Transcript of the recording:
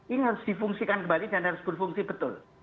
ini harus difungsikan kembali dan harus berfungsi betul